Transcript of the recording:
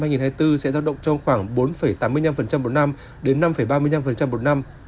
sẽ giao động trong khoảng bốn tám mươi năm một năm đến năm ba mươi năm một năm